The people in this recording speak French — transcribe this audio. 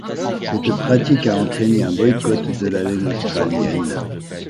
Cette pratique a entrainé un boycott de la laine australienne.